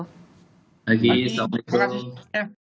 selamat pagi selamat jalan